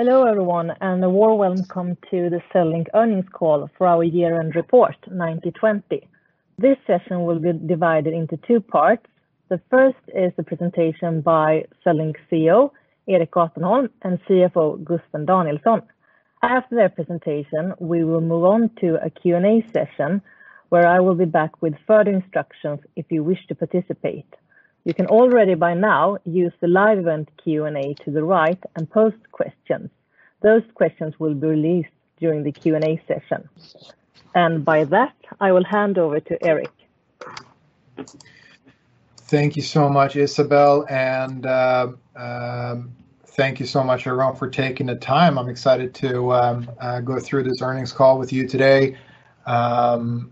Hello, everyone, and a warm welcome to the CELLINK earnings call for our year-end report 2019/2020. This session will be divided into two parts. The first is the presentation by CELLINK CEO Erik Gatenholm and CFO Gusten Danielsson. After their presentation, we will move on to a Q&A session where I will be back with further instructions if you wish to participate. You can already, by now, use the live event Q&A to the right and post questions. Those questions will be released during the Q&A session. With that, I will hand over to Erik. Thank you so much, Isabelle, and thank you so much, everyone, for taking the time. I'm excited to go through this earnings call with you today.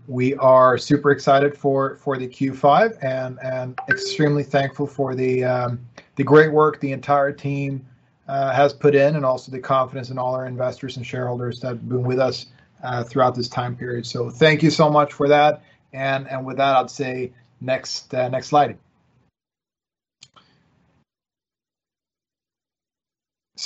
We are super excited for the Q5 and extremely thankful for the great work the entire team has put in, and also the confidence in all our investors and shareholders that have been with us throughout this time period. Thank you so much for that. With that, I'd say next slide.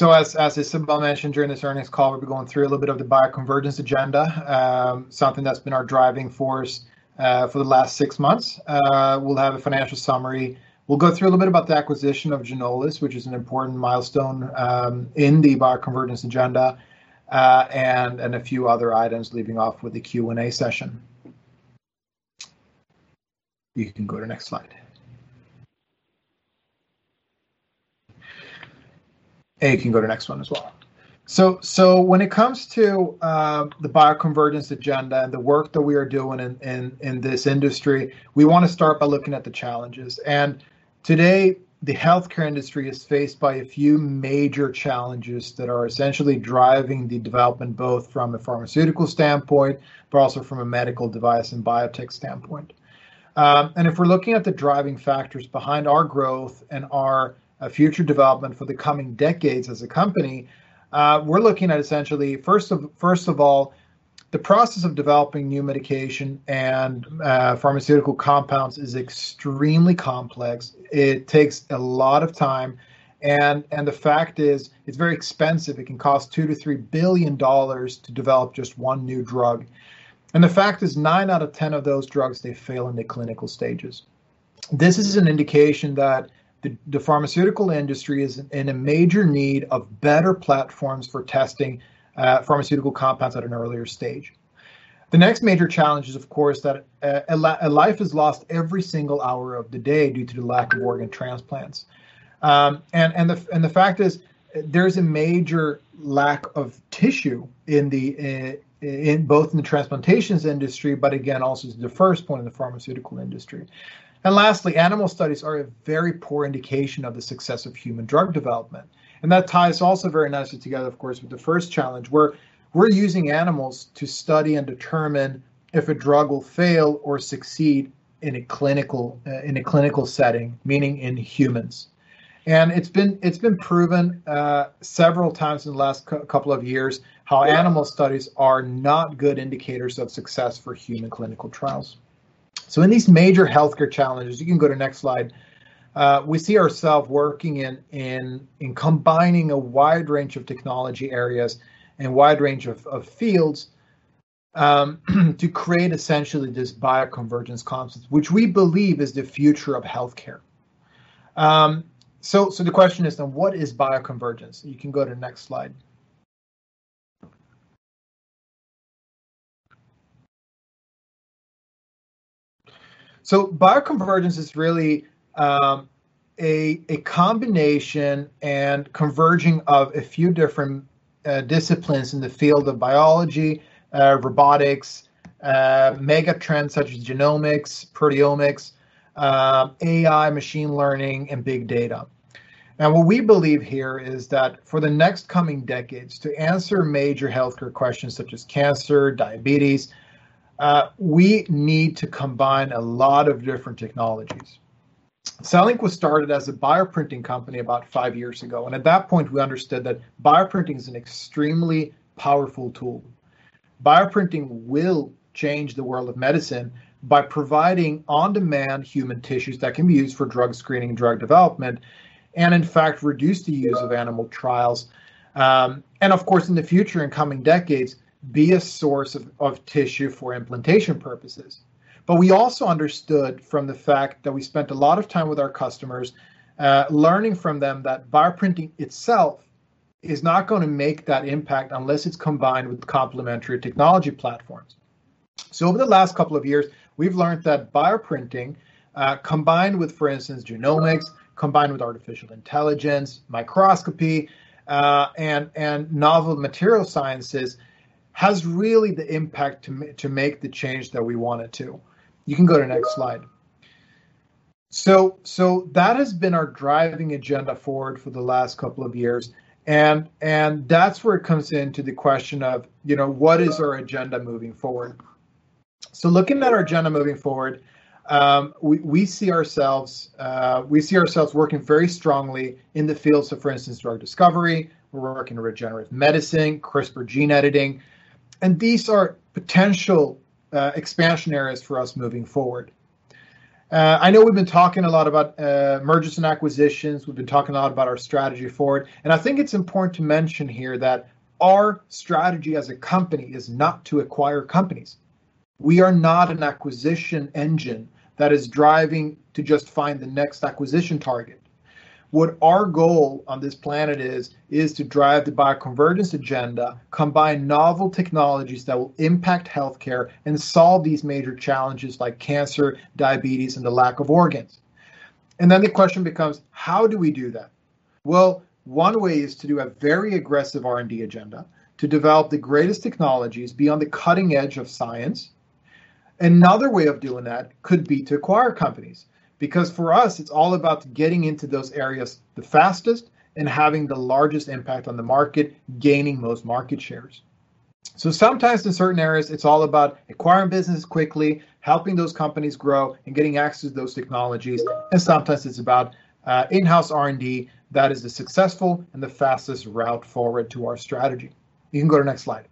As Isabelle mentioned, during this earnings call, we'll be going through a little bit of the bioconvergence agenda, something that's been our driving force for the last six months. We'll have a financial summary. We'll go through a little bit about the acquisition of Ginolis, which is an important milestone in the bioconvergence agenda, and a few other items leading off with the Q&A session. You can go to next slide. You can go to next one as well. When it comes to the bioconvergence agenda and the work that we are doing in this industry, we want to start by looking at the challenges. Today, the healthcare industry is faced by a few major challenges that are essentially driving the development, both from a pharmaceutical standpoint, but also from a medical device and biotech standpoint. If we're looking at the driving factors behind our growth and our future development for the coming decades as a company, we're looking at essentially, first of all, the process of developing new medication and pharmaceutical compounds is extremely complex. It takes a lot of time, and the fact is, it's very expensive. It can cost $2 billion-$3 billion to develop just one new drug. The fact is nine out of 10 of those drugs, they fail in the clinical stages. This is an indication that the pharmaceutical industry is in a major need of better platforms for testing pharmaceutical compounds at an earlier stage. The next major challenge is, of course, that a life is lost every single hour of the day due to lack of organ transplants. The fact is, there's a major lack of tissue both in the transplantations industry, but again, also the first point in the pharmaceutical industry. Lastly, animal studies are a very poor indication of the success of human drug development. That ties also very nicely together, of course, with the first challenge, where we're using animals to study and determine if a drug will fail or succeed in a clinical setting, meaning in humans. It's been proven several times in the last couple of years how animal studies are not good indicators of success for human clinical trials. In these major healthcare challenges, you can go to next slide, we see ourself working in combining a wide range of technology areas and wide range of fields to create essentially this bioconvergence concept, which we believe is the future of healthcare. The question is then, what is bioconvergence? You can go to next slide. Bioconvergence is really a combination and converging of a few different disciplines in the field of biology, robotics, mega trends such as genomics, proteomics, AI, machine learning, and big data. Now, what we believe here is that for the next coming decades, to answer major healthcare questions such as cancer, diabetes, we need to combine a lot of different technologies. CELLINK was started as a bioprinting company about five years ago. At that point, we understood that bioprinting is an extremely powerful tool. Bioprinting will change the world of medicine by providing on-demand human tissues that can be used for drug screening and drug development, in fact, reduce the use of animal trials. Of course, in the future, in coming decades, be a source of tissue for implantation purposes. We also understood from the fact that we spent a lot of time with our customers, learning from them that bioprinting itself is not going to make that impact unless it's combined with complementary technology platforms. Over the last couple of years, we've learned that bioprinting, combined with, for instance, genomics, combined with artificial intelligence, microscopy, and novel material sciences, has really the impact to make the change that we want it to. You can go to next slide. That has been our driving agenda forward for the last couple of years, and that's where it comes into the question of, what is our agenda moving forward? Looking at our agenda moving forward, we see ourselves working very strongly in the fields of, for instance, drug discovery. We're working in regenerative medicine, CRISPR gene editing, and these are potential expansion areas for us moving forward. I know we've been talking a lot about mergers and acquisitions. We've been talking a lot about our strategy for it, and I think it's important to mention here that our strategy as a company is not to acquire companies. We are not an acquisition engine that is driving to just find the next acquisition target. What our goal on this planet is to drive the bioconvergence agenda, combine novel technologies that will impact healthcare, and solve these major challenges like cancer, diabetes, and the lack of organs. The question becomes, how do we do that? Well, one way is to do a very aggressive R&D agenda to develop the greatest technologies, be on the cutting edge of science. Another way of doing that could be to acquire companies. For us, it's all about getting into those areas the fastest and having the largest impact on the market, gaining the most market shares. Sometimes in certain areas, it's all about acquiring business quickly, helping those companies grow, and getting access to those technologies. Sometimes it's about in-house R&D that is the successful and the fastest route forward to our strategy. You can go to next slide.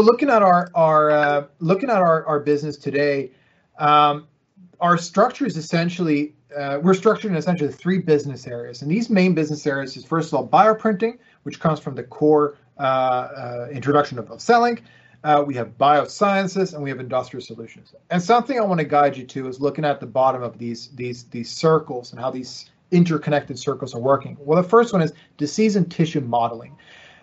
Looking at our business today, our structure is essentially three business areas, and these main business areas are, first of all, bioprinting, which comes from the core introduction of CELLINK. We have biosciences, we have industrial solutions. Something I want to guide you to is looking at the bottom of these circles and how these interconnected circles are working. The first one is disease and tissue modeling.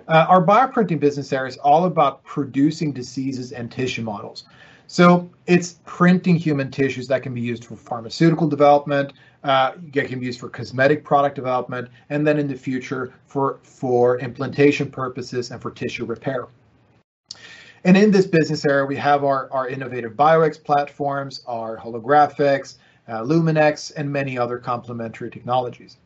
Our bioprinting business area is all about producing diseases and tissue models. It's printing human tissues that can be used for pharmaceutical development, that can be used for cosmetic product development, and then in the future, for implantation purposes and for tissue repair. In this business area, we have our innovative BIO X platforms, our Holograph X, LUMEN X, and many other complementary technologies.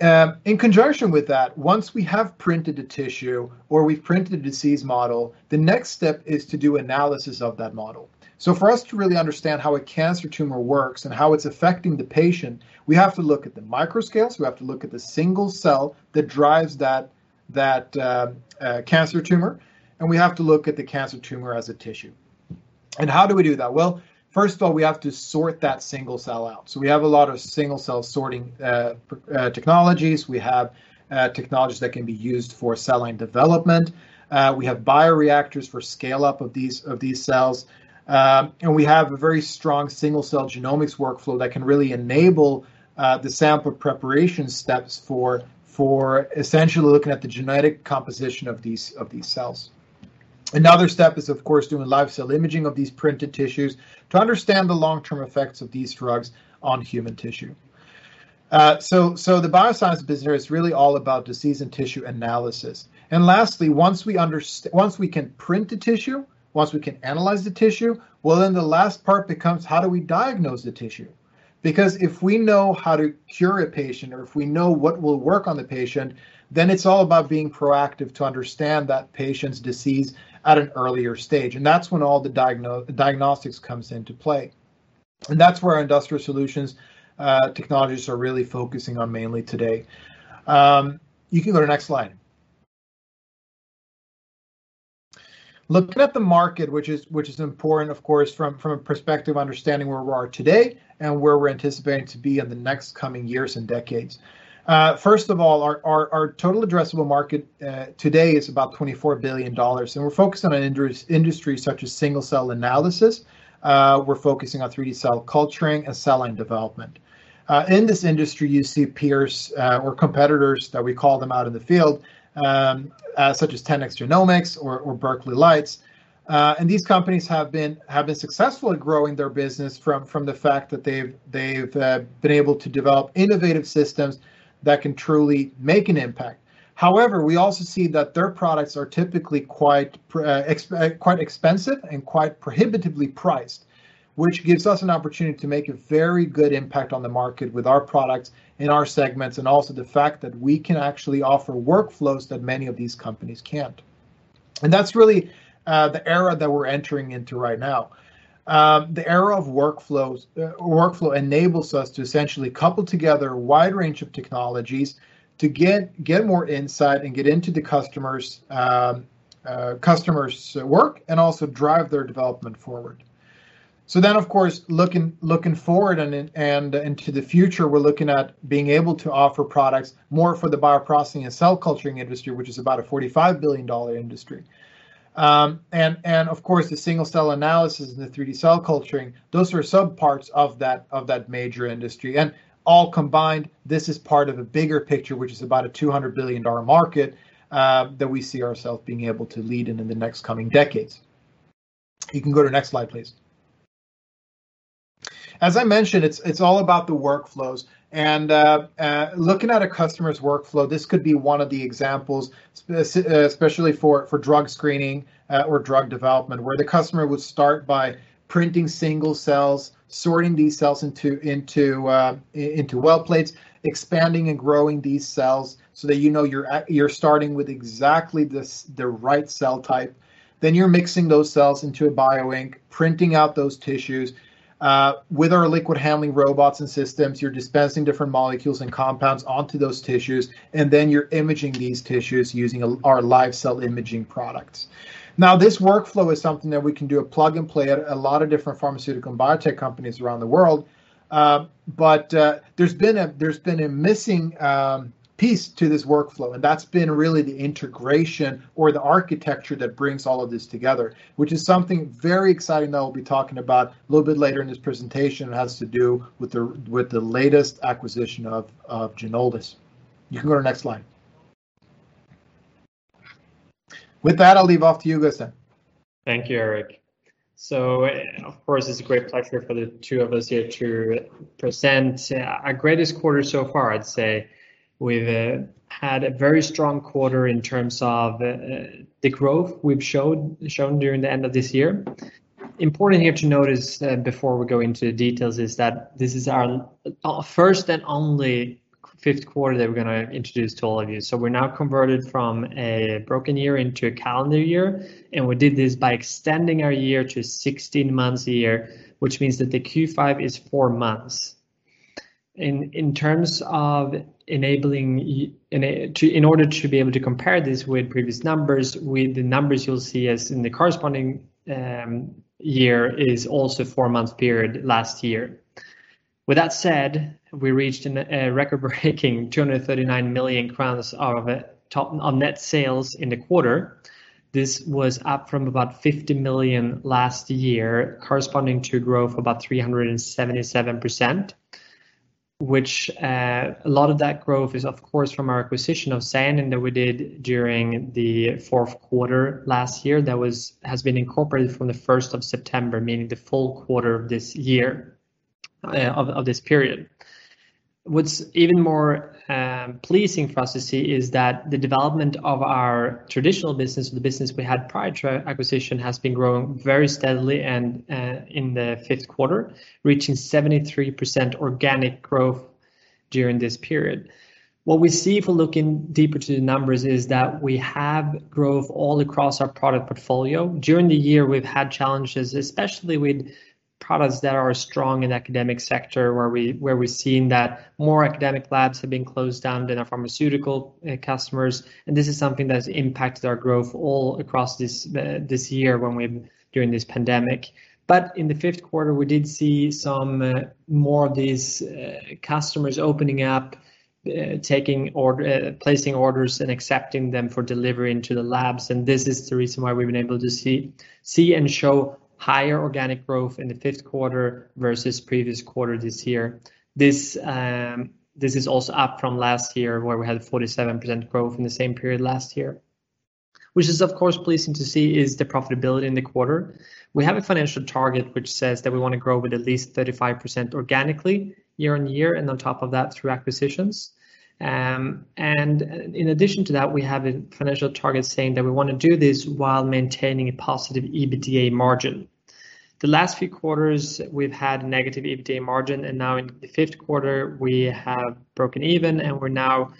In conjunction with that, once we have printed a tissue or we've printed a disease model, the next step is to do analysis of that model. For us to really understand how a cancer tumor works and how it's affecting the patient, we have to look at the micro scales, we have to look at the single cell that drives that cancer tumor, and we have to look at the cancer tumor as a tissue. How do we do that? Well, first of all, we have to sort that single cell out. We have a lot of single cell sorting technologies. We have technologies that can be used for cell line development. We have bioreactors for scale-up of these cells. We have a very strong single cell genomics workflow that can really enable the sample preparation steps for essentially looking at the genetic composition of these cells. Another step is, of course, doing live cell imaging of these printed tissues to understand the long-term effects of these drugs on human tissue. The bioscience business area is really all about disease and tissue analysis. Lastly, once we can print the tissue, once we can analyze the tissue, well, then the last part becomes how do we diagnose the tissue? If we know how to cure a patient, or if we know what will work on the patient, then it's all about being proactive to understand that patient's disease at an earlier stage. That's when all the diagnostics comes into play. That's where our industrial solutions technologies are really focusing on mainly today. You can go to next slide. Looking at the market, which is important, of course, from a perspective of understanding where we are today and where we're anticipating to be in the next coming years and decades. First of all, our total addressable market today is about $24 billion, and we're focused on an industry such as single-cell analysis. We're focusing on 3D cell culturing and cell line development. In this industry, you see peers or competitors that we call them out in the field, such as 10x Genomics or Berkeley Lights. These companies have been successful at growing their business from the fact that they've been able to develop innovative systems that can truly make an impact. We also see that their products are typically quite expensive and quite prohibitively priced, which gives us an opportunity to make a very good impact on the market with our products in our segments, and also the fact that we can actually offer workflows that many of these companies can't. That's really the era that we're entering into right now. The era of workflow enables us to essentially couple together a wide range of technologies to get more insight and get into the customer's work, and also drive their development forward. Of course, looking forward and into the future, we're looking at being able to offer products more for the bioprocessing and cell culturing industry, which is about a $45 billion industry. Of course, the single-cell analysis and the 3D cell culturing, those are subparts of that major industry. All combined, this is part of a bigger picture, which is about a $200 billion market that we see ourselves being able to lead in in the next coming decades. You can go to next slide, please. As I mentioned, it's all about the workflows. Looking at a customer's workflow, this could be one of the examples, especially for drug screening or drug development, where the customer would start by printing single cells, sorting these cells into well plates, expanding and growing these cells so that you know you're starting with exactly the right cell type. You're mixing those cells into a bioink, printing out those tissues. With our liquid handling robots and systems, you're dispensing different molecules and compounds onto those tissues, and then you're imaging these tissues using our live cell imaging products. This workflow is something that we can do a plug and play at a lot of different pharmaceutical and biotech companies around the world. There's been a missing piece to this workflow, and that's been really the integration or the architecture that brings all of this together, which is something very exciting that I'll be talking about a little bit later in this presentation. It has to do with the latest acquisition of Ginolis. You can go to the next slide. With that, I'll leave off to you, Gusten. Thank you, Erik. Of course, it's a great pleasure for the two of us here to present our greatest quarter so far. I'd say we've had a very strong quarter in terms of the growth we've shown during the end of this year. Important here to notice, before we go into details, is that this is our first and only fifth quarter that we're going to introduce to all of you. We're now converted from a broken year into a calendar year, and we did this by extending our year to 16 months a year, which means that the Q5 is four months. In order to be able to compare this with previous numbers, with the numbers you'll see as in the corresponding year is also four-month period last year. With that said, we reached a record-breaking 239 million crowns of net sales in the quarter. This was up from about 50 million last year, corresponding to growth about 377%, which a lot of that growth is, of course, from our acquisition of SCIENION that we did during the fourth quarter last year. That has been incorporated from the 1st of September, meaning the full quarter of this period. What's even more pleasing for us to see is that the development of our traditional business, the business we had prior to acquisition, has been growing very steadily and in the fifth quarter, reaching 73% organic growth during this period. What we see if we look in deeper to the numbers is that we have growth all across our product portfolio. During the year, we've had challenges, especially with products that are strong in academic sector, where we're seeing that more academic labs have been closed down than our pharmaceutical customers. This is something that's impacted our growth all across this year during this pandemic. In the first quarter, we did see some more of these customers opening up, placing orders, and accepting them for delivery into the labs, and this is the reason why we've been able to see and show higher organic growth in the first quarter versus previous quarter this year. This is also up from last year where we had 47% growth in the same period last year, which is, of course, pleasing to see is the profitability in the quarter. We have a financial target, which says that we want to grow with at least 35% organically year-on-year, and on top of that, through acquisitions. In addition to that, we have a financial target saying that we want to do this while maintaining a positive EBITDA margin. The last few quarters, we've had negative EBITDA margin, and now in the fifth quarter, we have broken even and we're now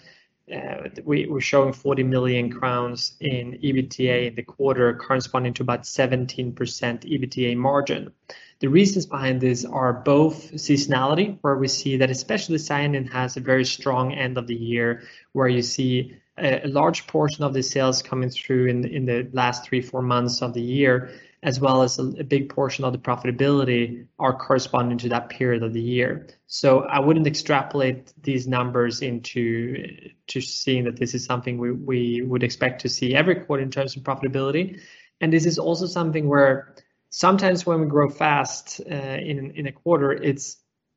showing 40 million crowns in EBITDA in the quarter corresponding to about 17% EBITDA margin. The reasons behind this are both seasonality, where we see that especially Cellenion has a very strong end of the year, where you see a large portion of the sales coming through in the last three, four months of the year, as well as a big portion of the profitability are corresponding to that period of the year. I wouldn't extrapolate these numbers into seeing that this is something we would expect to see every quarter in terms of profitability. This is also something where sometimes when we grow fast in a quarter,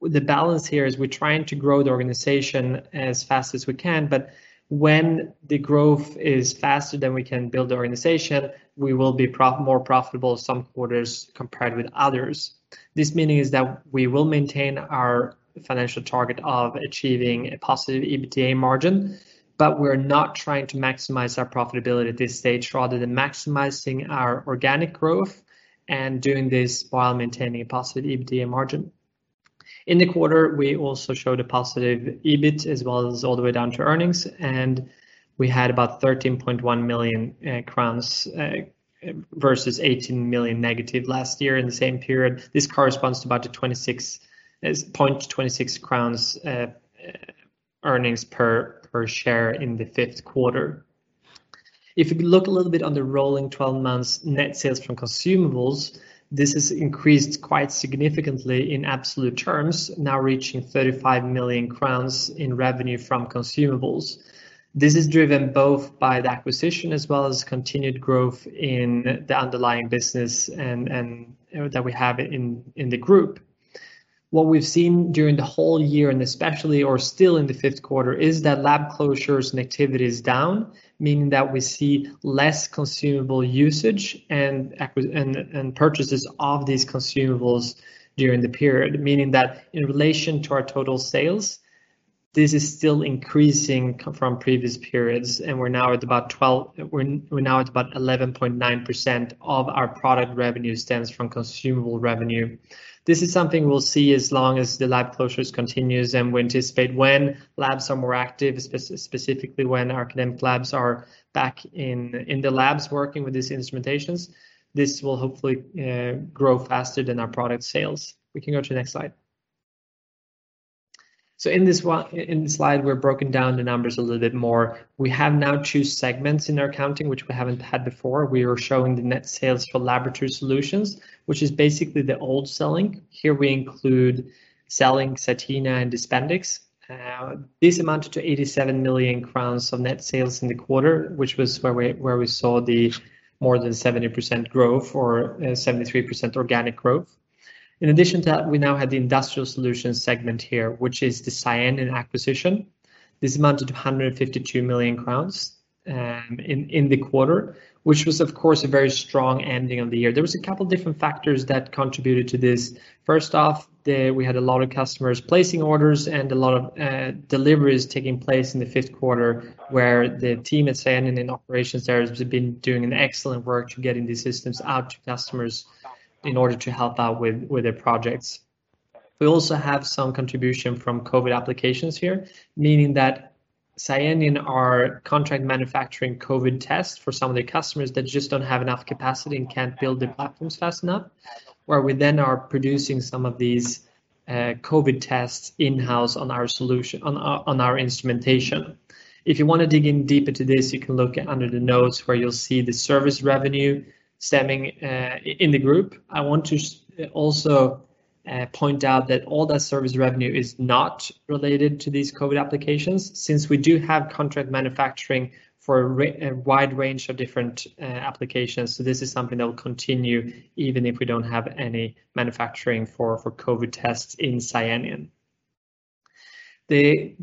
the balance here is we're trying to grow the organization as fast as we can, but when the growth is faster than we can build the organization, we will be more profitable some quarters compared with others. This meaning is that we will maintain our financial target of achieving a positive EBITDA margin, but we're not trying to maximize our profitability at this stage, rather than maximizing our organic growth and doing this while maintaining a positive EBITDA margin. In the quarter, we also showed a positive EBIT as well as all the way down to earnings. We had about 13.1 million crowns versus -18 million last year in the same period. This corresponds to about 0.26 crowns earnings per share in the fifth quarter. If you look a little bit on the rolling 12 months net sales from consumables, this has increased quite significantly in absolute terms, now reaching 35 million crowns in revenue from consumables. This is driven both by the acquisition as well as continued growth in the underlying business that we have in the group. What we've seen during the whole year, and especially or still in the fifth quarter, is that lab closures and activity is down, meaning that we see less consumable usage and purchases of these consumables during the period. In relation to our total sales, this is still increasing from previous periods, and we're now at about 11.9% of our product revenue stems from consumable revenue. This is something we'll see as long as the lab closures continues, and we anticipate when labs are more active, specifically when our academic labs are back in the labs working with these instrumentations. This will hopefully grow faster than our product sales. We can go to the next slide. In this slide, we've broken down the numbers a little bit more. We have now two segments in our accounting, which we haven't had before. We are showing the net sales for laboratory solutions, which is basically the old CELLINK. Here we include CELLINK, CYTENA and DISPENDIX. This amounted to 87 million crowns of net sales in the quarter, which was where we saw the more than 70% growth, or 73% organic growth. In addition to that, we now have the industrial solutions segment here, which is the SCIENION acquisition. This amounted to 152 million crowns in the quarter, which was of course, a very strong ending of the year. There was a couple different factors that contributed to this. First off, we had a lot of customers placing orders and a lot of deliveries taking place in the fifth quarter where the team at SCIENION and operations there has been doing an excellent work to getting these systems out to customers in order to help out with their projects. We also have some contribution from COVID applications here, meaning that SCIENION are contract manufacturing COVID tests for some of their customers that just don't have enough capacity and can't build the platforms fast enough, where we then are producing some of these COVID tests in-house on our instrumentation. If you want to dig in deeper to this, you can look under the notes where you'll see the service revenue stemming in the group. I want to also point out that all that service revenue is not related to these COVID applications since we do have contract manufacturing for a wide range of different applications. This is something that will continue even if we don't have any manufacturing for COVID tests in SCIENION.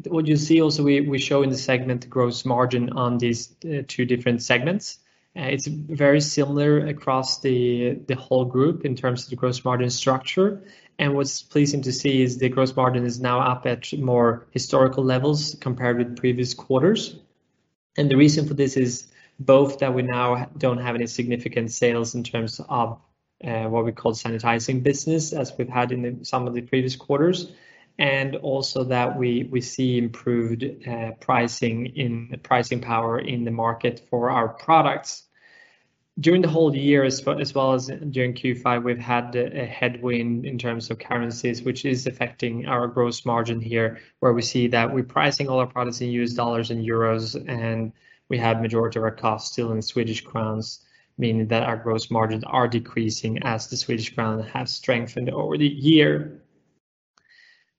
What you see also, we show in the segment gross margin on these two different segments. It's very similar across the whole group in terms of the gross margin structure. What's pleasing to see is the gross margin is now up at more historical levels compared with previous quarters. The reason for this is both that we now don't have any significant sales in terms of what we call sanitizing business as we've had in some of the previous quarters. Also that we see improved pricing power in the market for our products. During the whole year as well as during Q5 we've had a headwind in terms of currencies, which is affecting our gross margin here, where we see that we're pricing all our products in US dollars and euros, and we have majority of our costs still in Swedish Krona, meaning that our gross margins are decreasing as the Swedish Krona have strengthened over the year.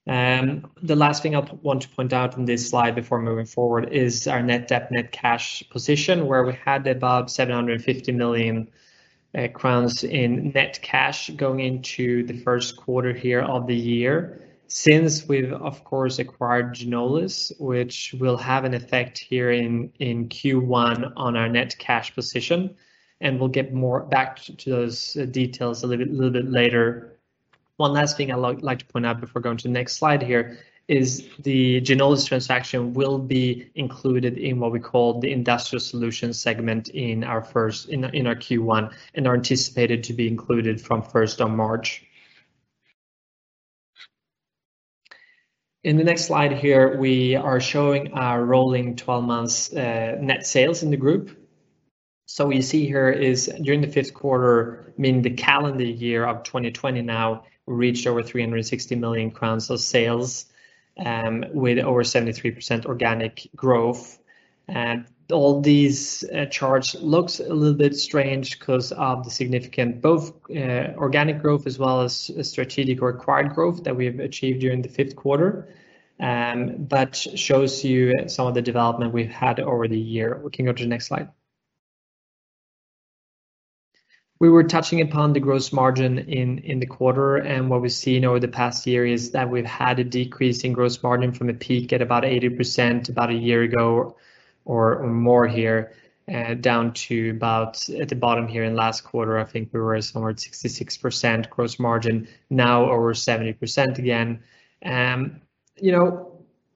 The last thing I want to point out in this slide before moving forward is our net debt/net cash position where we had above 750 million crowns in net cash going into the first quarter here of the year. We've of course acquired Ginolis, which will have an effect here in Q1 on our net cash position. We'll get more back to those details a little bit later. One last thing I would like to point out before going to the next slide here is the Ginolis transaction will be included in what we call the Industrial Solutions segment in our Q1 and are anticipated to be included from 1st of March. In the next slide here, we are showing our rolling 12 months net sales in the group. What you see here is during the fifth quarter, meaning the calendar year of 2020 now, we reached over 360 million crowns of sales with over 73% organic growth. All these charts looks a little bit strange because of the significant both organic growth as well as strategic or acquired growth that we have achieved during the fifth quarter. Shows you some of the development we've had over the year. We can go to the next slide. We were touching upon the gross margin in the quarter, what we've seen over the past year is that we've had a decrease in gross margin from a peak at about 80% about a year ago or more here, down to about at the bottom here in last quarter, I think we were somewhere at 66% gross margin, now over 70% again.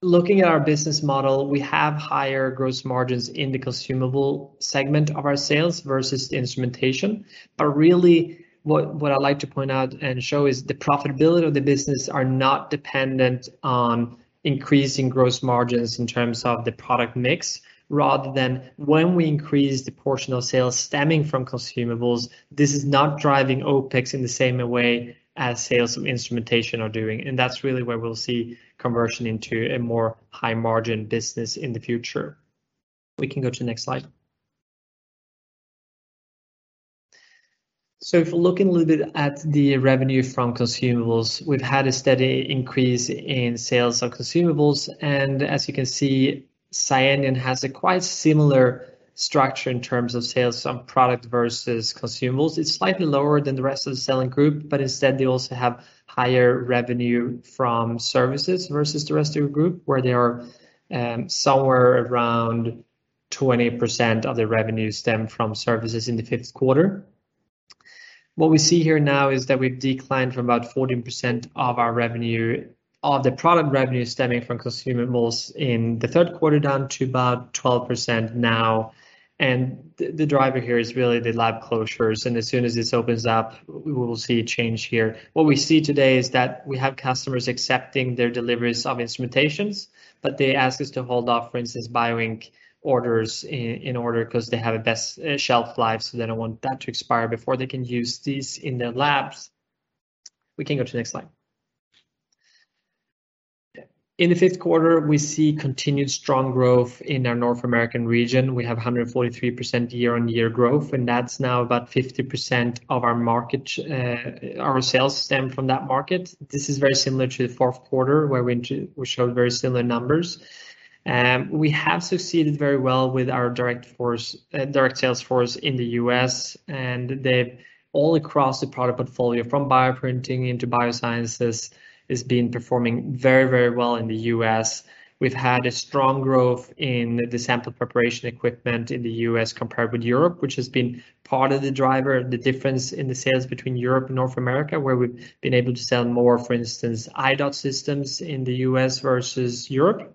Looking at our business model, we have higher gross margins in the consumable segment of our sales versus the instrumentation. Really what I'd like to point out and show is the profitability of the business are not dependent on increasing gross margins in terms of the product mix, rather than when we increase the portion of sales stemming from consumables, this is not driving OPEX in the same way as sales from instrumentation are doing, and that's really where we'll see conversion into a more high margin business in the future. We can go to the next slide. If we're looking a little bit at the revenue from consumables, we've had a steady increase in sales of consumables, and as you can see, SCIENION has a quite similar structure in terms of sales from product versus consumables. It's slightly lower than the rest of the CELLINK Group, instead they also have higher revenue from services versus the rest of the group, where they are somewhere around 20% of their revenue stem from services in the fifth quarter. What we see here now is that we've declined from about 14% of our revenue, of the product revenue stemming from consumables in the third quarter down to about 12% now. The driver here is really the lab closures, and as soon as this opens up, we will see a change here. What we see today is that we have customers accepting their deliveries of instrumentations, but they ask us to hold off, for instance, bioink orders because they have a best shelf life, so they don't want that to expire before they can use these in their labs. We can go to the next slide. In the fifth quarter, we see continued strong growth in our North American region. We have 143% year-on-year growth. That's now about 50% of our sales stem from that market. This is very similar to the fourth quarter, where we showed very similar numbers. We have succeeded very well with our direct sales force in the U.S. All across the product portfolio, from bioprinting into biosciences, has been performing very well in the U.S. We've had a strong growth in the sample preparation equipment in the U.S. compared with Europe, which has been part of the driver of the difference in the sales between Europe and North America, where we've been able to sell more, for instance, I.DOT systems in the U.S. versus Europe.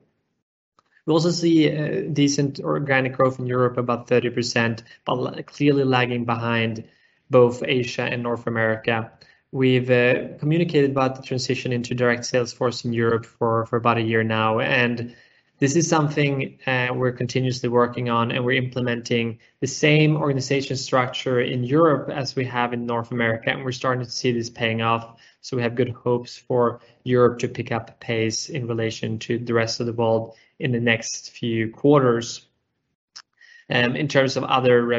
We also see decent organic growth in Europe, about 30%, but clearly lagging behind both Asia and North America. We've communicated about the transition into direct sales force in Europe for about a year now, and this is something we're continuously working on, and we're implementing the same organization structure in Europe as we have in North America, and we're starting to see this paying off. We have good hopes for Europe to pick up pace in relation to the rest of the world in the next few quarters. In terms of other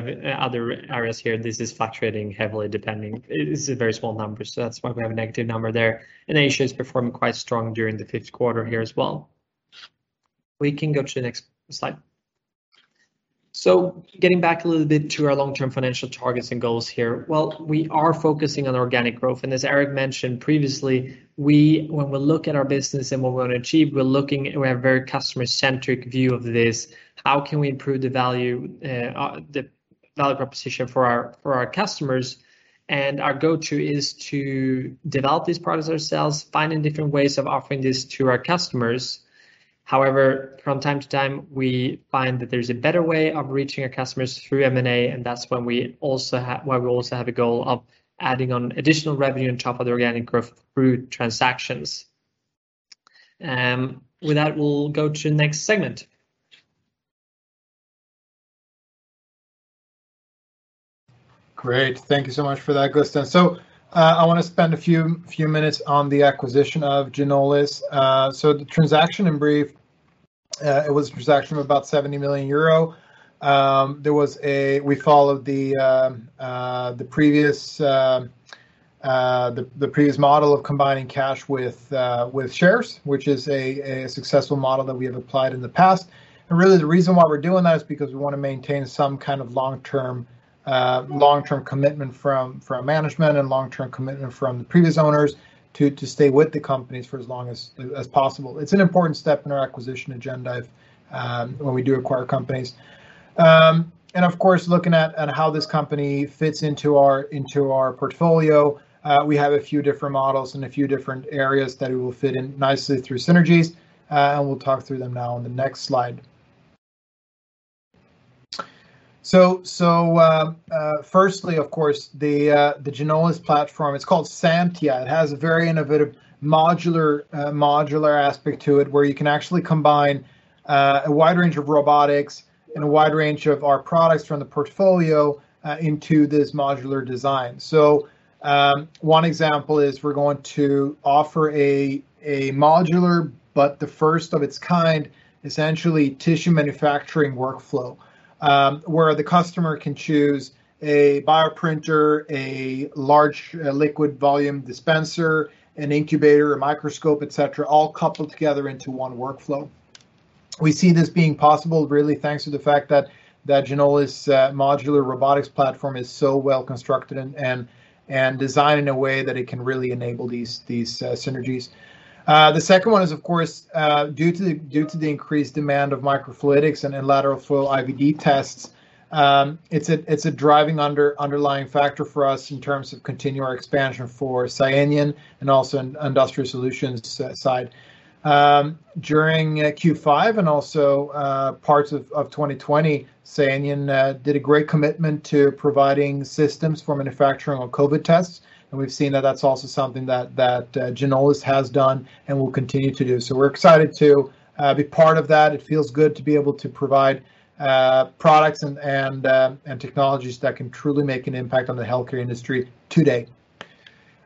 areas here, this is fluctuating heavily, depending. It's a very small number, so that's why we have a negative number there, and Asia is performing quite strong during the fifth quarter here as well. We can go to the next slide. Getting back a little bit to our long-term financial targets and goals here. Well, we are focusing on organic growth, and as Erik mentioned previously, when we look at our business and what we want to achieve, we have very customer-centric view of this. How can we improve the value proposition for our customers? Our go-to is to develop these products ourselves, finding different ways of offering this to our customers. However, from time to time, we find that there's a better way of reaching our customers through M&A, and that's why we also have a goal of adding on additional revenue on top of the organic growth through transactions. With that, we'll go to the next segment. Great. Thank you so much for that, Gusten. I want to spend a few minutes on the acquisition of Ginolis. The transaction, in brief, it was a transaction of about 70 million euro. We followed the previous model of combining cash with shares, which is a successful model that we have applied in the past. Really the reason why we're doing that is because we want to maintain some kind of long-term commitment from management and long-term commitment from the previous owners to stay with the companies for as long as possible. It's an important step in our acquisition agenda when we do acquire companies. Of course, looking at how this company fits into our portfolio, we have a few different models and a few different areas that it will fit in nicely through synergies, and we'll talk through them now on the next slide. Firstly, of course, the Ginolis platform, it's called Xanthia. It has a very innovative modular aspect to it, where you can actually combine a wide range of robotics and a wide range of our products from the portfolio into this modular design. One example is we're going to offer a modular, but the first of its kind, essentially tissue manufacturing workflow. The customer can choose a bioprinter, a large liquid volume dispenser, an incubator, a microscope, et cetera, all coupled together into one workflow. We see this being possible really thanks to the fact that Ginolis' modular robotics platform is so well constructed and designed in a way that it can really enable these synergies. The second one is, of course, due to the increased demand of microfluidics and lateral flow IVD tests. It's a driving underlying factor for us in terms of continuing our expansion for SCIENION and also industrial solutions side. During Q5 and also parts of 2020, SCIENION did a great commitment to providing systems for manufacturing of COVID tests. We've seen that that's also something that Ginolis has done and will continue to do. We're excited to be part of that. It feels good to be able to provide products and technologies that can truly make an impact on the healthcare industry today.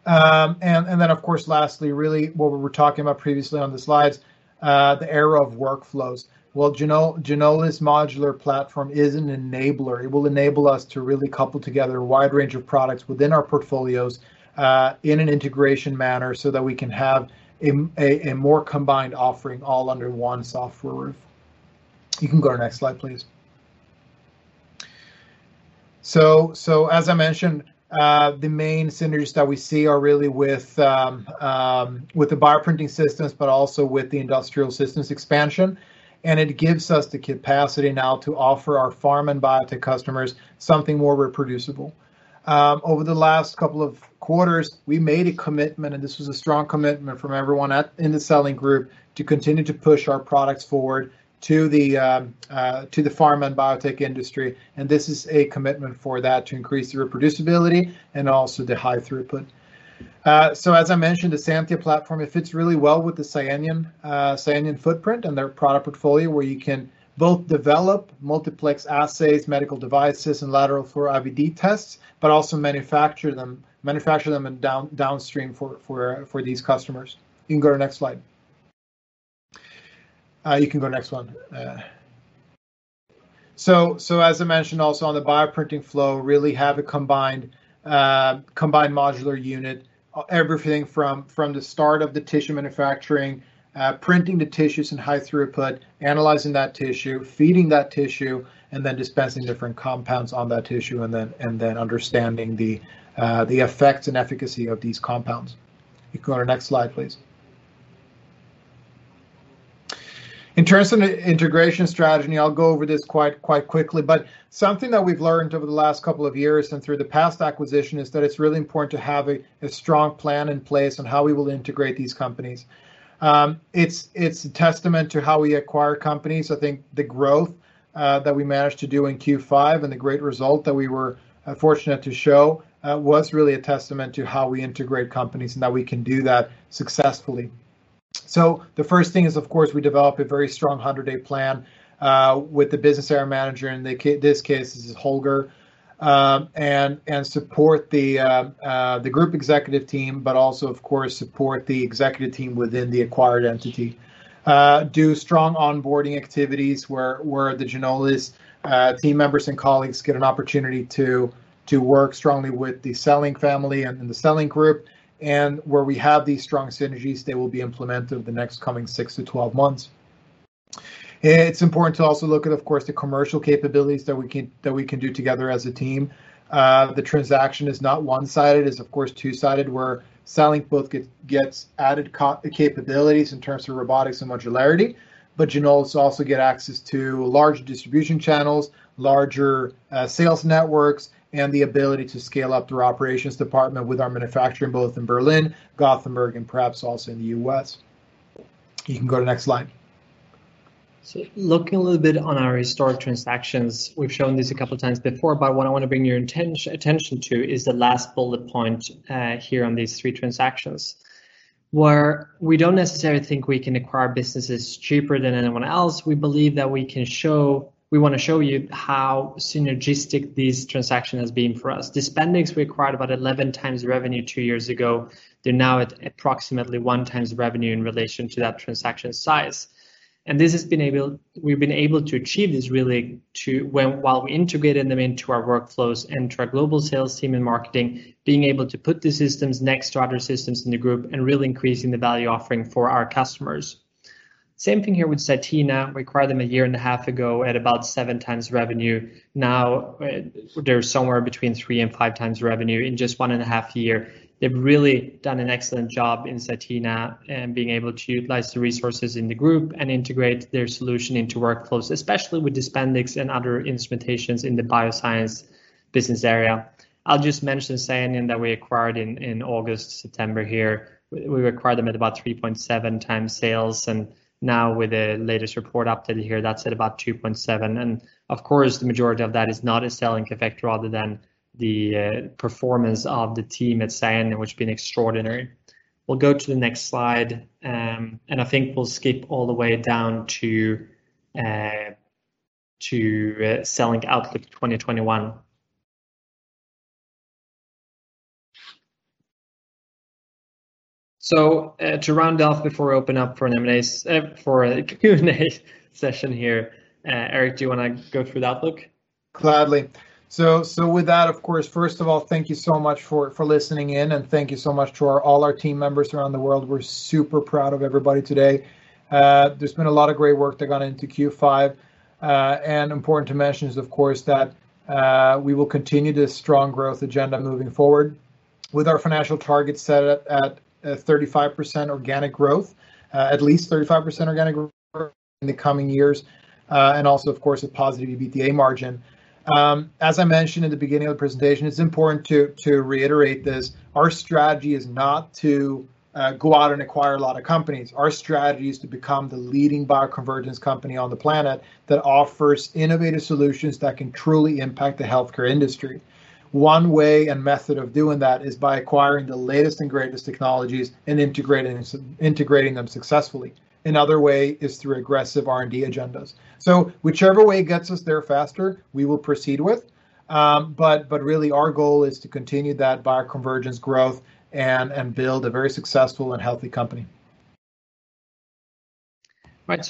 Of course, lastly, really what we were talking about previously on the slides, the era of workflows. Ginolis modular platform is an enabler. It will enable us to really couple together a wide range of products within our portfolios, in an integration manner, so that we can have a more combined offering all under one software roof. As I mentioned, the main synergies that we see are really with the bioprinting systems, but also with the industrial systems expansion, and it gives us the capacity now to offer our pharm and biotech customers something more reproducible. Over the last couple of quarters, we made a commitment, and this was a strong commitment from everyone in the CELLINK Group, to continue to push our products forward to the pharm and biotech industry. This is a commitment for that to increase the reproducibility and also the high throughput. As I mentioned, the Xanthia platform, it fits really well with the SCIENION footprint and their product portfolio, where you can both develop multiplex assays, medical devices, and lateral flow IVD tests, but also manufacture them and downstream for these customers. You can go to next slide. You can go next one. As I mentioned also on the bioprinting flow, really have a combined modular unit. Everything from the start of the tissue manufacturing, printing the tissues in high throughput, analyzing that tissue, feeding that tissue, and then dispensing different compounds on that tissue, and then understanding the effects and efficacy of these compounds. You can go to the next slide, please. In terms of integration strategy, I'll go over this quite quickly, but something that we've learned over the last couple of years and through the past acquisition is that it's really important to have a strong plan in place on how we will integrate these companies. It's a testament to how we acquire companies. I think the growth that we managed to do in Q5 and the great result that we were fortunate to show was really a testament to how we integrate companies and that we can do that successfully. The first thing is, of course, we develop a very strong 100-day plan, with the business area manager, in this case, this is Holger, and support the group executive team, but also, of course, support the executive team within the acquired entity. Do strong onboarding activities where the Ginolis team members and colleagues get an opportunity to work strongly with the CELLINK family and the CELLINK Group, and where we have these strong synergies, they will be implemented in the next coming 6 to 12 months. It's important to also look at, of course, the commercial capabilities that we can do together as a team. The transaction is not one-sided, it's of course two-sided, where CELLINK both gets added capabilities in terms of robotics and modularity, but Ginolis also get access to large distribution channels, larger sales networks, and the ability to scale up their operations department with our manufacturing, both in Berlin, Gothenburg, and perhaps also in the U.S. You can go to next slide. Looking a little bit on our historic transactions, we've shown this a couple of times before, but what I want to bring your attention to is the last bullet point here on these three transactions, where we don't necessarily think we can acquire businesses cheaper than anyone else. We want to show you how synergistic this transaction has been for us. DISPENDIX required about 11x revenue two years ago. They're now at approximately 1x revenue in relation to that transaction size. We've been able to achieve this really while integrating them into our workflows and to our global sales team and marketing, being able to put the systems next to other systems in the group and really increasing the value offering for our customers. Same thing here with CYTENA, acquired them a year and a half ago at about 7x revenue. Now they're somewhere between three and five times revenue in just one and a half year. They've really done an excellent job in CYTENA in being able to utilize the resources in the group and integrate their solution into workflows, especially with DISPENDIX and other instrumentations in the bioscience business area. I'll just mention SCIENION that we acquired in August, September here. We acquired them at about 3.7x sales, and now with the latest report updated here, that's at about 2.7x. Of course, the majority of that is not a selling effect rather than the performance of the team at SCIENION, which has been extraordinary. We'll go to the next slide. I think we'll skip all the way down to CELLINK outlook 2021. To round off before we open up for a Q&A session here, Erik, do you want to go through the outlook? Gladly. With that, of course, first of all, thank you so much for listening in, and thank you so much to all our team members around the world. We're super proud of everybody today. There's been a lot of great work that went into Q5. Important to mention is, of course, that we will continue this strong growth agenda moving forward with our financial targets set at at least 35% organic growth in the coming years. Also, of course, a positive EBITDA margin. As I mentioned in the beginning of the presentation, it's important to reiterate this, our strategy is not to go out and acquire a lot of companies. Our strategy is to become the leading bioconvergence company on the planet that offers innovative solutions that can truly impact the healthcare industry. One way and method of doing that is by acquiring the latest and greatest technologies and integrating them successfully. Another way is through aggressive R&D agendas. Whichever way gets us there faster, we will proceed with, but really our goal is to continue that bioconvergence growth and build a very successful and healthy company. Right.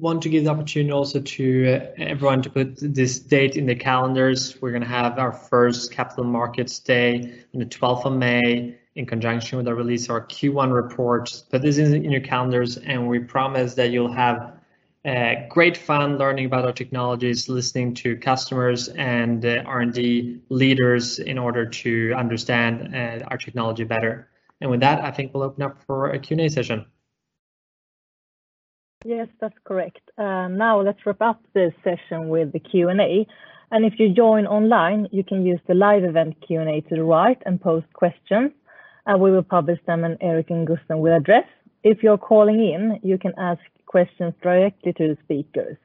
Want to give the opportunity also to everyone to put this date in the calendars. We're going to have our first capital markets day on the 12th of May in conjunction with the release of our Q1 report. Put this in your calendars, and we promise that you'll have great fun learning about our technologies, listening to customers and R&D leaders in order to understand our technology better. With that, I think we'll open up for a Q&A session. Yes, that's correct. Let's wrap up this session with the Q&A. If you join online, you can use the live event Q&A to the right and post questions, and we will publish them, and Erik and Gusten will address. If you're calling in, you can ask questions directly to the speakers.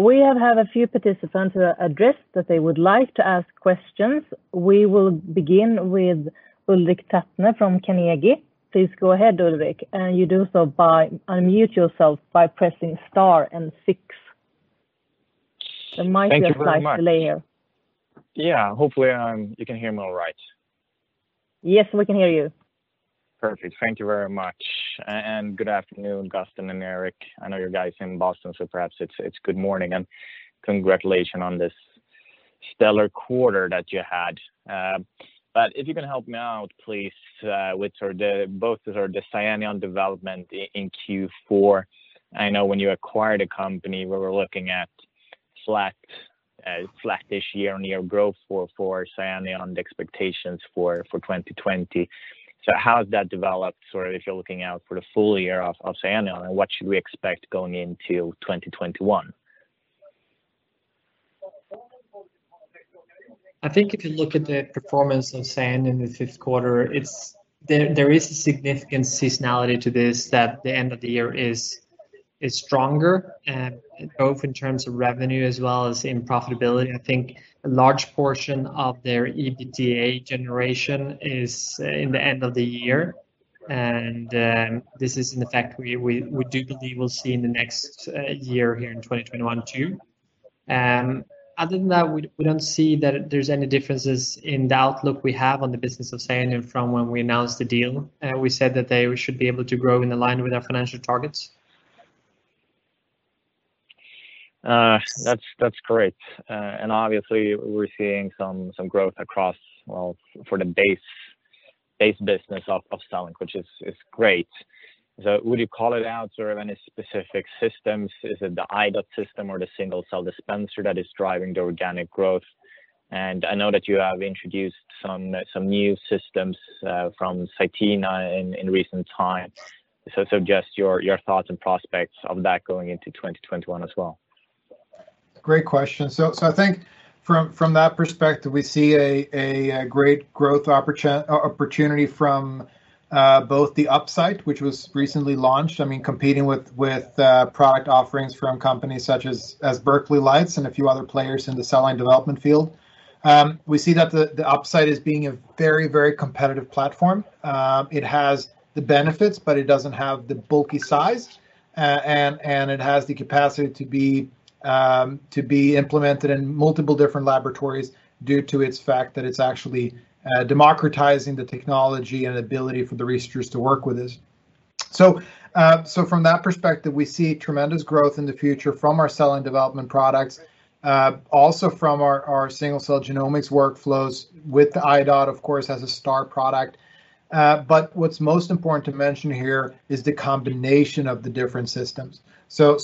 We have had a few participants who addressed that they would like to ask questions. We will begin with Ulrik Trattner from Carnegie. Please go ahead, Ulrik, you do so by unmute yourself by pressing star and six. The mic is close to Leo. Thank you very much. Yeah. Hopefully, you can hear me all right. Yes, we can hear you. Perfect. Thank you very much. Good afternoon, Gusten and Erik. I know you guys are in Boston, so perhaps it's good morning, and congratulations on this stellar quarter that you had. If you can help me out, please, with both the SCIENION on development in Q4. I know when you acquired a company, we were looking at flat-ish year-over-year growth for SCIENION on the expectations for 2020. How has that developed, if you're looking out for the full year of SCIENION, and what should we expect going into 2021? I think if you look at the performance of SCIENION in the fifth quarter, there is a significant seasonality to this that the end of the year is stronger, both in terms of revenue as well as in profitability. I think a large portion of their EBITDA generation is in the end of the year, this is in effect we do believe we'll see in the next year here in 2021 too. Other than that, we don't see that there's any differences in the outlook we have on the business of SCIENION from when we announced the deal. We said that they should be able to grow in line with our financial targets. That's great. Obviously, we're seeing some growth across for the base business of CELLINK, which is great. Would you call it out, any specific systems? Is it the I.DOT system or the single-cell dispenser that is driving the organic growth? I know that you have introduced some new systems from CYTENA in recent times. Just your thoughts and prospects of that going into 2021 as well. Great question. I think from that perspective, we see a great growth opportunity from both the UP.SIGHT, which was recently launched, competing with product offerings from companies such as Berkeley Lights and a few other players in the cell line development field. We see that the UP.SIGHT is being a very competitive platform. It has the benefits, it doesn't have the bulky size. It has the capacity to be implemented in multiple different laboratories due to its fact that it's actually democratizing the technology and ability for the researchers to work with this. From that perspective, we see tremendous growth in the future from our cell line development products. Also from our single-cell genomics workflows with the I.DOT, of course, as a star product. What's most important to mention here is the combination of the different systems.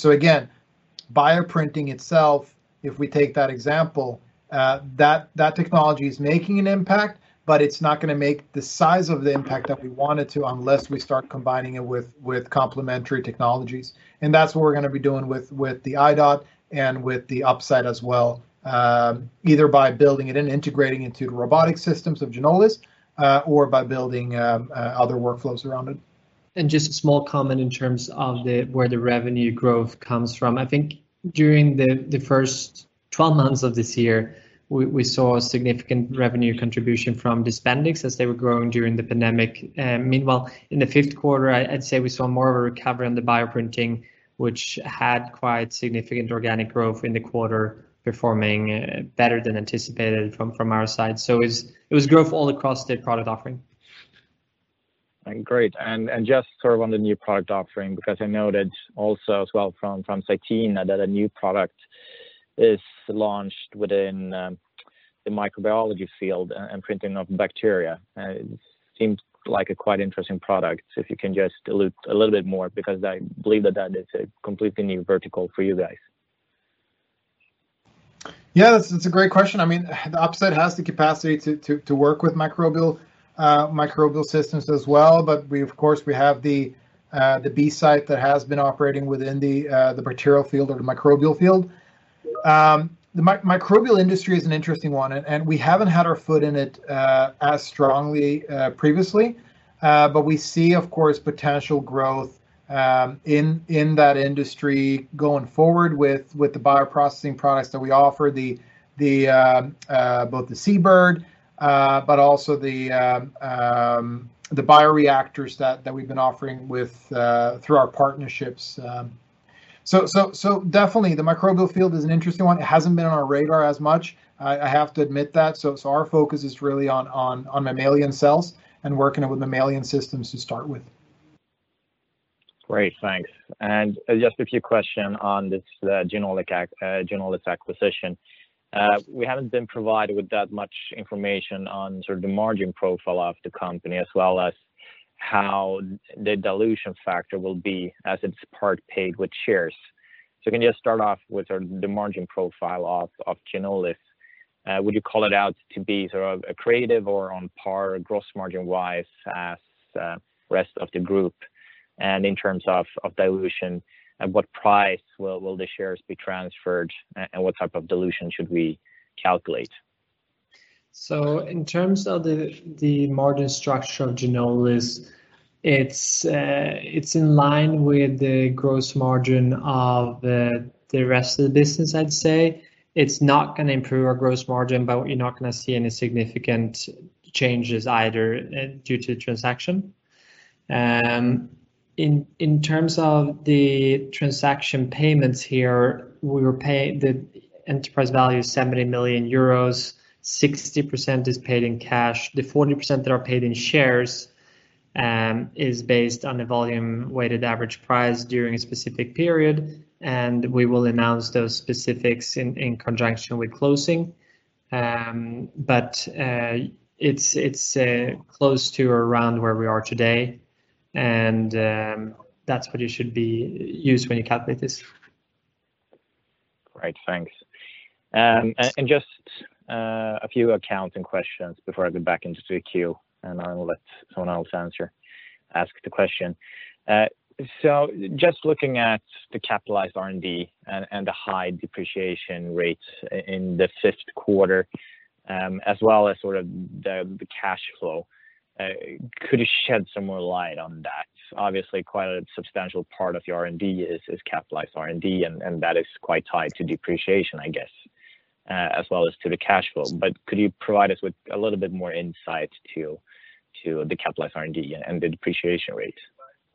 Again, bioprinting itself, if we take that example, that technology is making an impact, but it's not going to make the size of the impact that we want it to unless we start combining it with complementary technologies. That's what we're going to be doing with the I.DOT and with the UP.SIGHT as well, either by building it and integrating into the robotic systems of Ginolis or by building other workflows around it. Just a small comment in terms of where the revenue growth comes from. I think during the first 12 months of this year, we saw a significant revenue contribution from DISPENDIX as they were growing during the pandemic. Meanwhile, in the fifth quarter, I'd say we saw more of a recovery on the bioprinting, which had quite significant organic growth in the quarter, performing better than anticipated from our side. It was growth all across the product offering. Great. Just on the new product offering, because I know that also as well from CYTENA, that a new product is launched within the microbiology field and printing of bacteria. It seems like a quite interesting product. If you can just allude a little bit more, because I believe that that is a completely new vertical for you guys. Yeah, that's a great question. The UP.SIGHT has the capacity to work with microbial systems as well. Of course, we have the B.SIGHT that has been operating within the bacterial field or the microbial field. The microbial industry is an interesting one. We haven't had our foot in it as strongly previously. We see, of course, potential growth in that industry going forward with the bioprocessing products that we offer, both the C.BIRD, also the bioreactors that we've been offering through our partnerships. Definitely the microbial field is an interesting one. It hasn't been on our radar as much. I have to admit that. Our focus is really on mammalian cells and working with mammalian systems to start with. Great. Thanks. Just a few question on this Ginolis acquisition. We haven't been provided with that much information on sort of the margin profile of the company as well as how the dilution factor will be as it's part paid with shares. Can you just start off with the margin profile of Ginolis? Would you call it out to be sort of accretive or on par gross margin-wise as rest of the group? In terms of dilution, at what price will the shares be transferred and what type of dilution should we calculate? In terms of the margin structure of Ginolis, it's in line with the gross margin of the rest of the business, I'd say. It's not going to improve our gross margin, you're not going to see any significant changes either due to the transaction. In terms of the transaction payments here, the enterprise value is 70 million euros, 60% is paid in cash. The 40% that are paid in shares is based on the volume weighted average price during a specific period, we will announce those specifics in conjunction with closing. It's close to or around where we are today, that's what you should use when you calculate this. Great. Thanks. Just a few accounting questions before I go back into the queue, and I'll let someone else ask the question. Just looking at the capitalized R&D and the high depreciation rates in the fifth quarter, as well as sort of the cash flow, could you shed some more light on that? Obviously, quite a substantial part of your R&D is capitalized R&D, and that is quite tied to depreciation, I guess, as well as to the cash flow. Could you provide us with a little bit more insight to the capitalized R&D and the depreciation rate?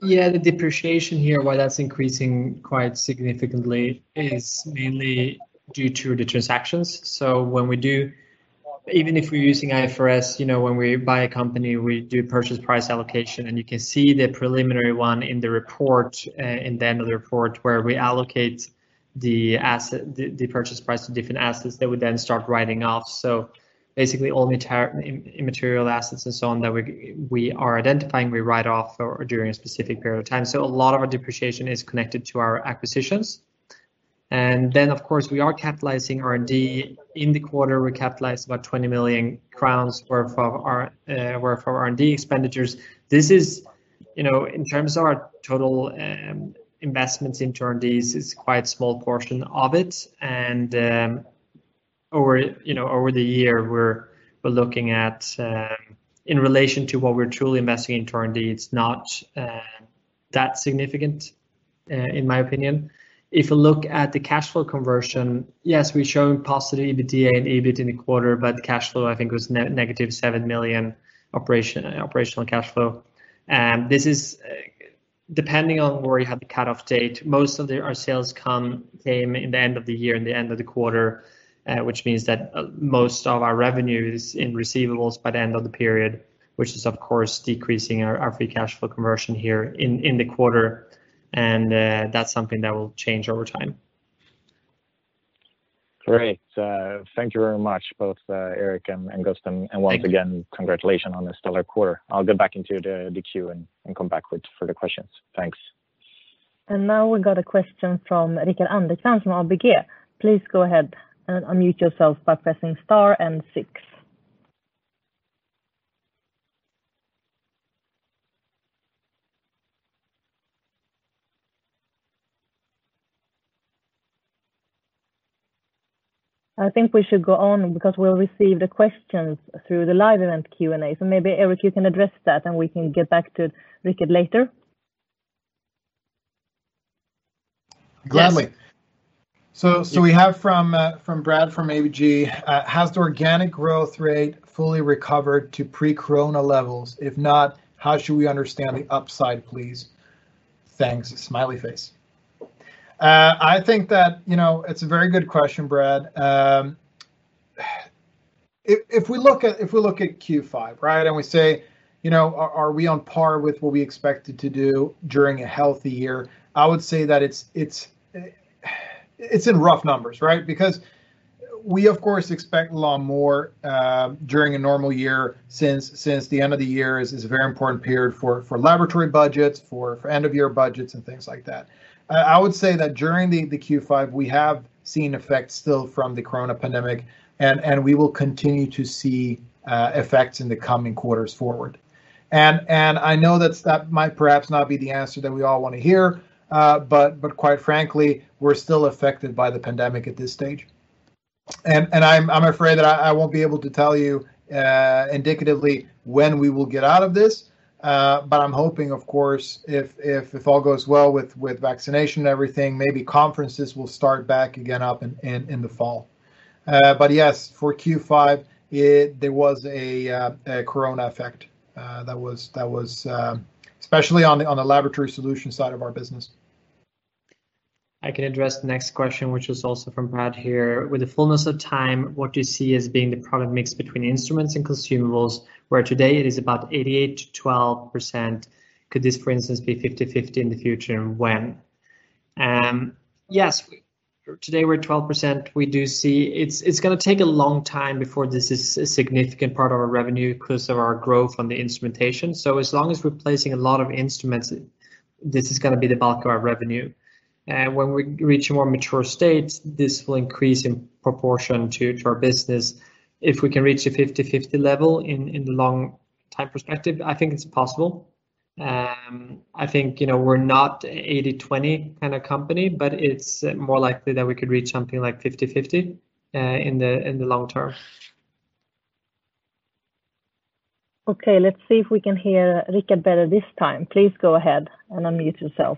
Yeah, the depreciation here, why that's increasing quite significantly is mainly due to the transactions. Even if we're using IFRS, when we buy a company, we do purchase price allocation, and you can see the preliminary one in the report, in the end of the report, where we allocate the purchase price to different assets that we then start writing off. Basically all immaterial assets and so on that we are identifying, we write off during a specific period of time. A lot of our depreciation is connected to our acquisitions. Then, of course, we are capitalizing R&D in the quarter. We capitalized about 20 million crowns worth of R&D expenditures. This is, in terms of our total investments into R&D, is quite a small portion of it, and over the year, we're looking at in relation to what we're truly investing into R&D, it's not that significant in my opinion. If you look at the cash flow conversion, yes, we're showing positive EBITDA and EBIT in the quarter, but the cash flow, I think, was -7 million operational cash flow. This is depending on where you have the cut-off date. Most of our sales came in the end of the year, in the end of the quarter. Which means that most of our revenue is in receivables by the end of the period, which is, of course, decreasing our free cash flow conversion here in the quarter, and that's something that will change over time. Great. Thank you very much, both Erik and Gusten. Thank you. Once again, congratulations on this stellar quarter. I'll go back into the queue and come back with further questions. Thanks. Now we got a question from Rickard Anderkrans from ABG. Please go ahead and unmute yourself by pressing star and six. I think we should go on because we will receive the questions through the live event Q&A. Maybe, Erik, you can address that, and we can get back to Rickard later. Gladly. We have from Brad from ABG, "Has the organic growth rate fully recovered to pre-corona levels? If not, how should we understand the upside, please? Thanks." I think that it's a very good question, Brad. If we look at Q5, right, and we say, are we on par with what we expected to do during a healthy year? I would say that it's in rough numbers, right? Because we, of course, expect a lot more during a normal year since the end of the year is a very important period for laboratory budgets, for end-of-year budgets, and things like that. I would say that during the Q5, we have seen effects still from the coronavirus pandemic, and we will continue to see effects in the coming quarters forward. I know that might perhaps not be the answer that we all want to hear, but quite frankly, we're still affected by the pandemic at this stage. I'm afraid that I won't be able to tell you indicatively when we will get out of this. I'm hoping, of course, if all goes well with vaccination and everything, maybe conferences will start back again up in the fall. Yes, for Q5, there was a corona effect, especially on the laboratory solutions side of our business. I can address the next question, which is also from Brad here. "With the fullness of time, what do you see as being the product mix between instruments and consumables, where today it is about 88% to 12%? Could this, for instance, be 50/50 in the future, and when?" Yes. Today, we're 12%. We do see it's going to take a long time before this is a significant part of our revenue because of our growth on the instrumentation. As long as we're placing a lot of instruments, this is going to be the bulk of our revenue. When we reach a more mature state, this will increase in proportion to our business. If we can reach a 50/50 level in the long time perspective, I think it's possible. I think we're not 80/20 kind of company, but it's more likely that we could reach something like 50/50 in the long term. Okay, let's see if we can hear Rickard better this time. Please go ahead and unmute yourself.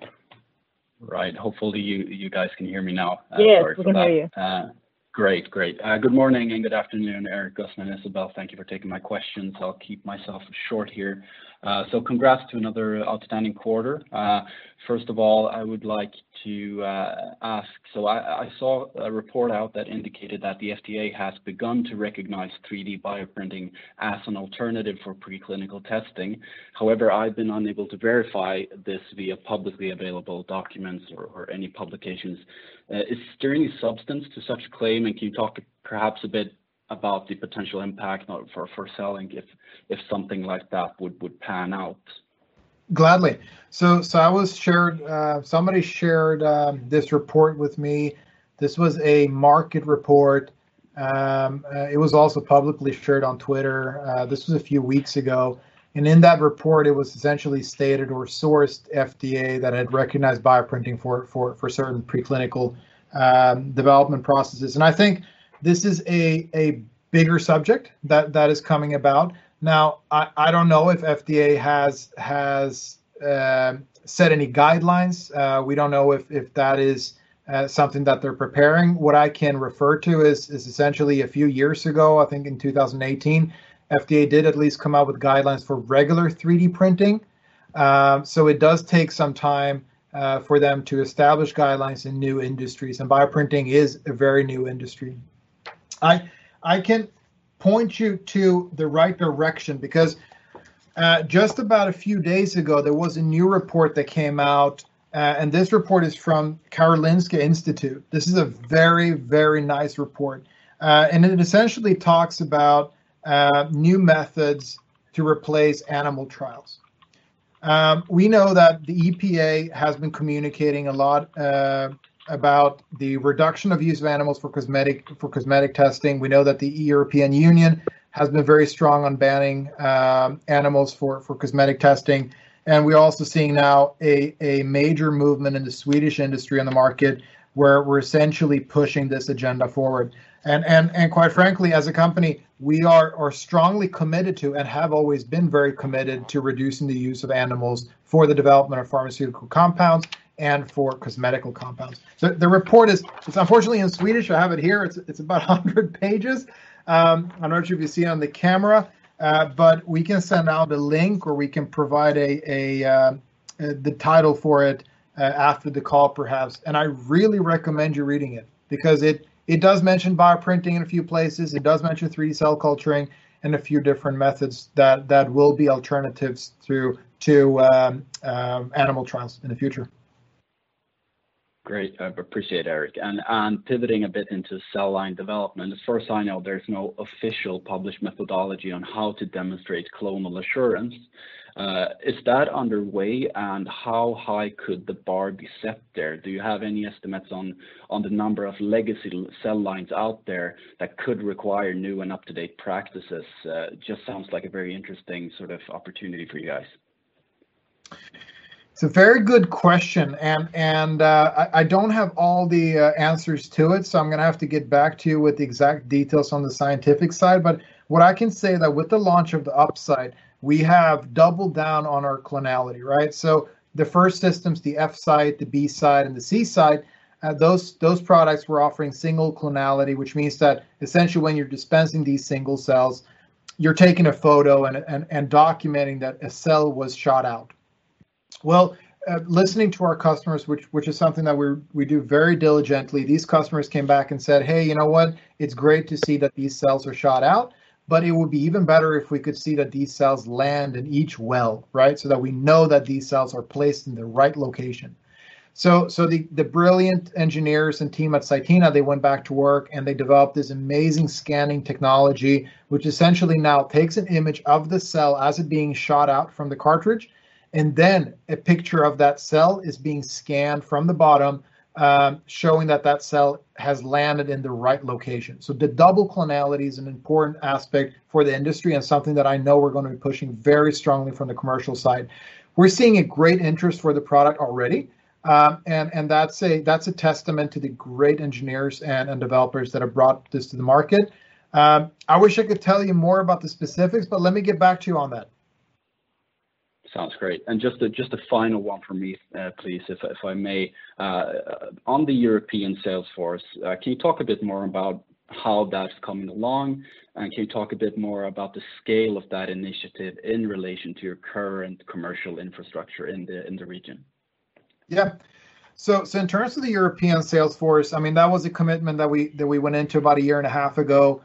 Right. Hopefully, you guys can hear me now. Sorry for that. Yes. We can hear you. Great. Good morning and good afternoon, Erik, Gusten, Isabelle. Thank you for taking my questions. I'll keep myself short here. Congrats to another outstanding quarter. First of all, I would like to ask, I saw a report out that indicated that the FDA has begun to recognize 3D bioprinting as an alternative for preclinical testing. However, I've been unable to verify this via publicly available documents or any publications. Is there any substance to such claim, and can you talk perhaps a bit about the potential impact for CELLINK if something like that would pan out? Gladly. Somebody shared this report with me. This was a market report. It was also publicly shared on Twitter. This was a few weeks ago, and in that report, it was essentially stated or sourced FDA that had recognized bioprinting for certain preclinical development processes. I think this is a bigger subject that is coming about. Now, I don't know if FDA has set any guidelines. We don't know if that is something that they're preparing. What I can refer to is essentially a few years ago, I think in 2018, FDA did at least come out with guidelines for regular 3D printing. It does take some time for them to establish guidelines in new industries, and bioprinting is a very new industry. I can point you to the right direction because just about a few days ago, there was a new report that came out, and this report is from Karolinska Institute. This is a very nice report, and it essentially talks about new methods to replace animal trials. We know that the EPA has been communicating a lot about the reduction of use of animals for cosmetic testing. We know that the European Union has been very strong on banning animals for cosmetic testing. We're also seeing now a major movement in the Swedish industry and the market, where we're essentially pushing this agenda forward. Quite frankly, as a company, we are strongly committed to and have always been very committed to reducing the use of animals for the development of pharmaceutical compounds and for cosmetical compounds. The report is unfortunately in Swedish. I have it here. It is about 100 pages. I am not sure if you see it on the camera, but we can send out a link, or we can provide the title for it after the call, perhaps. I really recommend you reading it because it does mention bioprinting in a few places. It does mention 3D cell culturing and a few different methods that will be alternatives to animal trials in the future. Great. I appreciate it, Erik. Pivoting a bit into cell line development, as far as I know, there's no official published methodology on how to demonstrate clonal assurance. Is that underway, and how high could the bar be set there? Do you have any estimates on the number of legacy cell lines out there that could require new and up-to-date practices? Just sounds like a very interesting sort of opportunity for you guys. It's a very good question, and I don't have all the answers to it, so I'm going to have to get back to you with the exact details on the scientific side. What I can say that with the launch of the UP.SIGHT, we have doubled down on our clonality, right? The first systems, the F.SIGHT, the B.SIGHT, and the C.SIGHT, those products we're offering single clonality, which means that essentially when you're dispensing these single cells, you're taking a photo and documenting that a cell was shot out. Listening to our customers, which is something that we do very diligently, these customers came back and said, "Hey, you know what? It's great to see that these cells are shot out, but it would be even better if we could see that these cells land in each well," right? That we know that these cells are placed in the right location. The brilliant engineers and team at CYTENA, they went back to work, and they developed this amazing scanning technology, which essentially now takes an image of the cell as it's being shot out from the cartridge, and then a picture of that cell is being scanned from the bottom, showing that that cell has landed in the right location. The double clonality is an important aspect for the industry and something that I know we're going to be pushing very strongly from the commercial side. We're seeing a great interest for the product already. That's a testament to the great engineers and developers that have brought this to the market. I wish I could tell you more about the specifics, but let me get back to you on that. Sounds great. Just a final one from me, please, if I may. On the European sales force, can you talk a bit more about how that's coming along? Can you talk a bit more about the scale of that initiative in relation to your current commercial infrastructure in the region? Yeah. In terms of the European sales force, that was a commitment that we went into about a year and a half ago.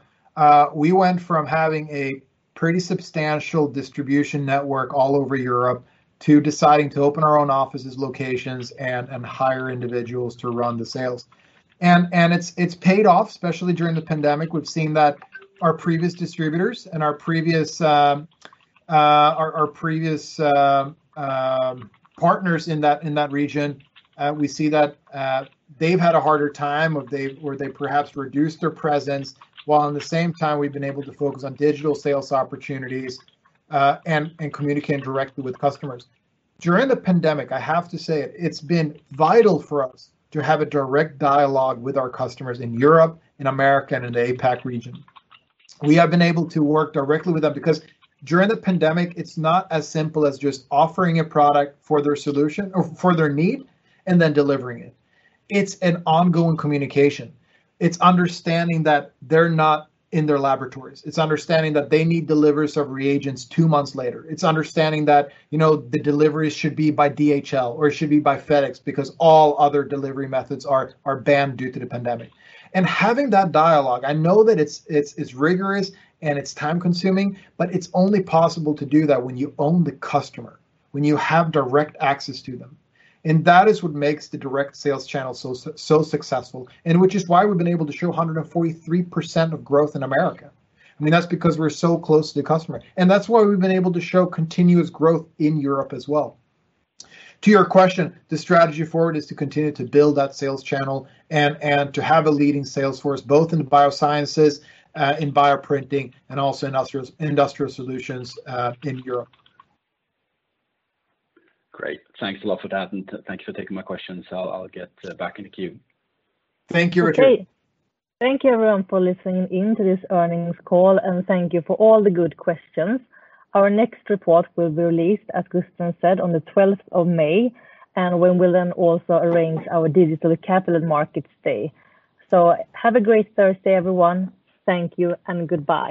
We went from having a pretty substantial distribution network all over Europe to deciding to open our own offices, locations, and hire individuals to run the sales. It's paid off, especially during the pandemic. We've seen that our previous distributors and our previous partners in that region, we see that they've had a harder time, or they perhaps reduced their presence, while at the same time, we've been able to focus on digital sales opportunities and communicate directly with customers. During the pandemic, I have to say it's been vital for us to have a direct dialogue with our customers in Europe, in America, and in the APAC region. We have been able to work directly with them because during the pandemic, it's not as simple as just offering a product for their need and then delivering it. It's an ongoing communication. It's understanding that they're not in their laboratories. It's understanding that they need deliveries of reagents two months later. It's understanding that the deliveries should be by DHL or it should be by FedEx because all other delivery methods are banned due to the pandemic. Having that dialogue, I know that it's rigorous and it's time-consuming, but it's only possible to do that when you own the customer, when you have direct access to them. That is what makes the direct sales channel so successful and which is why we've been able to show 143% of growth in America. That's because we're so close to the customer, and that's why we've been able to show continuous growth in Europe as well. To your question, the strategy forward is to continue to build that sales channel and to have a leading sales force, both in the biosciences, in bioprinting, and also in industrial solutions in Europe. Great. Thanks a lot for that. Thank you for taking my questions. I'll get back in the queue. Thank you, Rickard. Okay. Thank you, everyone, for listening in to this earnings call, and thank you for all the good questions. Our next report will be released, as Gusten said, on the 12th of May, and we will then also arrange our digital Capital Markets Day. Have a great Thursday, everyone. Thank you and goodbye.